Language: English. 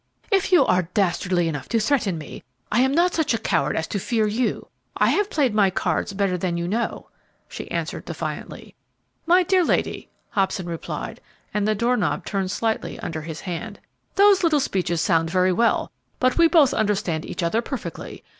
"If you are dastardly enough to threaten me, I am not such a coward as to fear you. I have played my cards better than you know," she answered, defiantly. "My dear lady," Hobson replied, and the door knob turned slightly under his hand, "those little speeches sound very well, but we both understand each other perfectly.